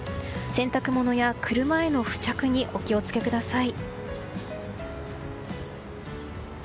洗濯物や車への付着にお気を付けください。